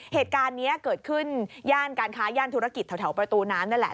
เหตุการณ์นี้เกิดขึ้นย่านการค้าย่านธุรกิจแถวประตูน้ำนั่นแหละ